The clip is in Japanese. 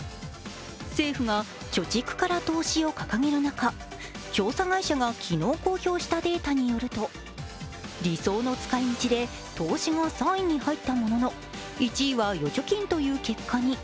政府が貯蓄から投資を掲げる中、調査会社が昨日、公表したデータによると理想の使い道で投資が３位に入ったものの１位は預貯金という結果に。